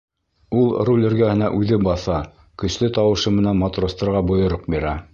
Ул руль эргәһенә үҙе баҫа, көслө тауышы менән матростарға бойороҡ бирә.